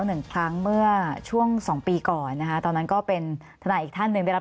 หนึ่งครั้งเมื่อช่วงสองปีก่อนนะคะตอนนั้นก็เป็นทนายอีกท่านหนึ่งได้รับ